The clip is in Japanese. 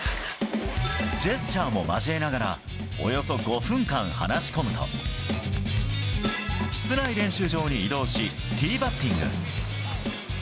ジェスチャーも交えながら、およそ５分間話し込むと、室内練習場に移動し、ティーバッティング。